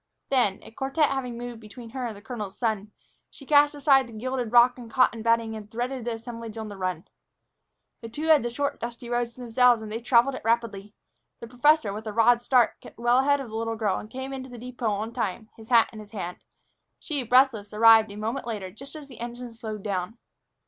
Then, a quartet having moved between her and the colonel's son, she cast aside the gilded rock and the cotton batting and threaded the assemblage on the run. The two had the short, dusty road to themselves, and they traveled it rapidly. The professor, with a rod's start, kept well ahead of the little girl, and came into the depot on time, his hat in his hand. She, breathless, arrived a moment later, just as the engine slowed down.